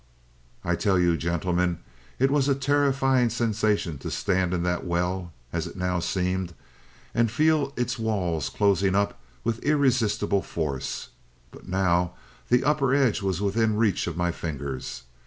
"I tell you, gentlemen, it was a terrifying sensation to stand in that well (as it now seemed), and feel its walls closing up with irresistible force. But now the upper edge was within reach of my fingers.